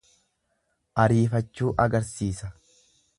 Ariifachuu agarsisa.